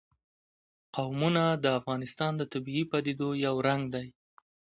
قومونه د افغانستان د طبیعي پدیدو یو رنګ دی.